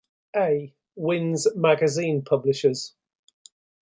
A. Wyn's Magazine Publishers.